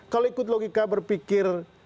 kalau ikut logika berpikir